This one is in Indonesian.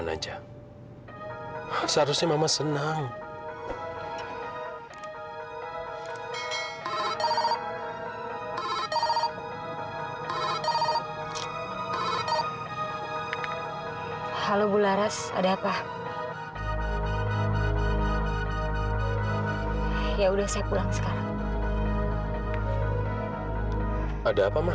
aja harusnya mama senang halo bu laras ada apa ya udah saya pulang sekarang ada apa mah